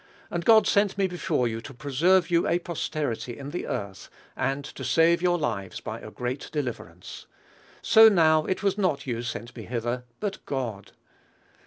And God sent me before you, to preserve you a posterity in the earth, and to save your lives by a great deliverance. So now it was not you sent me hither, but God."